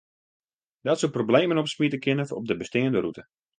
Dat soe problemen opsmite kinne op de besteande rûte.